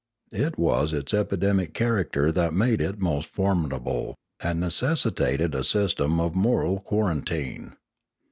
It was its epidemic character that made it most formidable, aud necessitated a system of moral quaran tine.